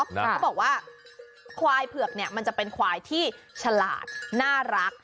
เขาบอกว่าขวายเผือกเนี่ยมันจะเป็นขวายที่ฉลาดน่ารัก